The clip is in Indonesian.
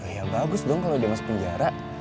ya bagus dong kalau dia masuk penjara